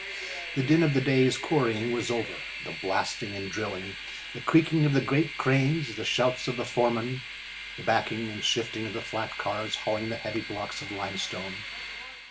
The din of the day's quarrying was over—the blasting and drilling, the creaking of the great cranes, the shouts of the foremen, the backing and shifting of the flat cars hauling the heavy blocks of limestone.